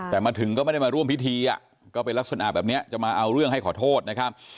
แต่มาถึงก็ไม่ได้มาร่วมพิธีก็เป็นลักษณะแบบนี้จะมาเอาเรื่องให้ขอโทษนะครับ